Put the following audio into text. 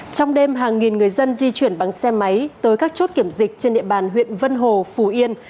trong đêm hàng nghìn người dân di chuyển bằng xe máy tới các chốt kiểm dịch trên địa bàn huyện vân hồ phù yên